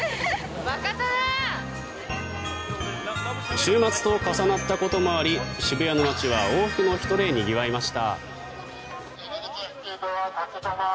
週末と重なったこともあり渋谷の街は多くの人でにぎわいました。